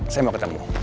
saya mau ketemu